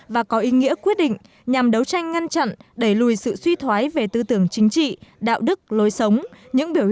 và có ý nghĩa quyết định nhằm đấu tranh ngăn chặn đẩy lùi sự suy thoái về tư tưởng chính trị đạo đức lối sống